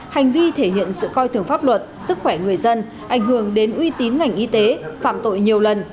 hành vi thể hiện sự coi thường pháp luật sức khỏe người dân ảnh hưởng đến uy tín ngành y tế phạm tội nhiều lần